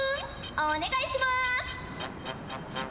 お願いします。